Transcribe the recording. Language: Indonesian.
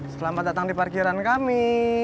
selamat datang di parkiran kami